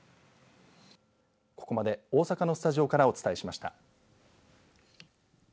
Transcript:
ここまで大阪のスタジオからお伝えしました。